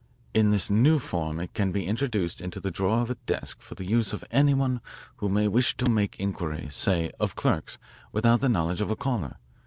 In this new form it can be introduced into the drawer of a desk for the use of any one who may wish to make inquiries, say, of clerks without the knowledge of a caller.